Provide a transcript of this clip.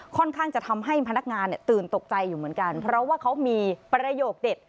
ค่อนข้างจะทำให้พนักงานตื่นตกใจอยู่เหมือนกันเพราะว่าเขามีประโยคเด็ด